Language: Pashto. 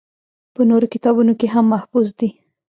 پۀ نورو کتابونو کښې هم محفوظ دي